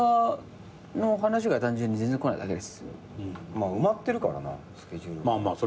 まあ埋まってるからなスケジュールが。